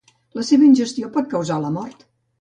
La seva ingestió pot causar la mort.